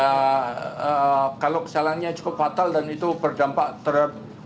ya kalau kesalahannya cukup fatal dan itu berdampak terhadap